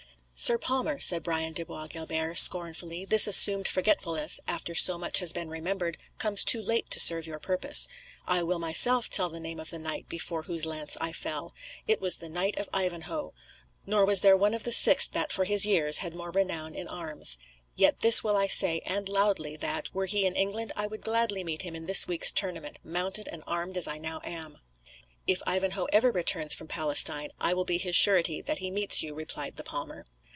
"Sir palmer," said Brian de Bois Guilbert scornfully, "this assumed forgetfulness, after so much has been remembered, comes too late to serve your purpose. I will myself tell the name of the knight before whose lance I fell: it was the Knight of Ivanhoe; nor was there one of the six that, for his years, had more renown in arms. Yet this will I say, and loudly, that, were he in England, I would gladly meet him in this week's tournament, mounted and armed as I now am." "If Ivanhoe ever returns from Palestine I will be his surety that he meets you," replied the palmer.